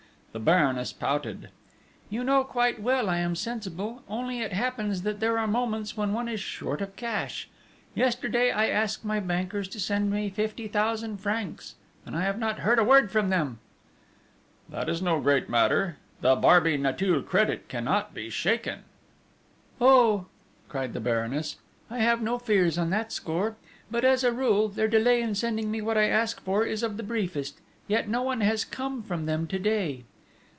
The Baroness pouted: "You know quite well I am sensible ... only it happens that there are moments when one is short of cash! Yesterday I asked my bankers to send me fifty thousand francs, and I have not heard a word from them!" "That is no great matter! The Barbey Nanteuil credit cannot be shaken!" "Oh," cried the Baroness, "I have no fears on that score; but, as a rule, their delay in sending me what I ask for is of the briefest, yet no one has come from them to day."